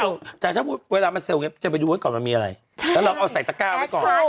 วันนี้เท่าไรแล้วเนี่ยวันนี้วันที่๒๘แล้ว